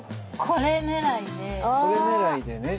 これ狙いでね。